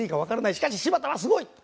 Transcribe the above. しかし柴田はすごい！